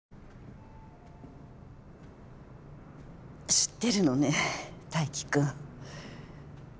知ってるのね泰生君。